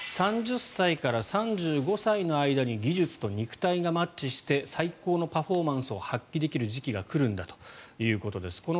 ３０歳から３５歳の間に技術と肉体がマッチして最高のパフォーマンスを発揮できる時期が来るんだということです。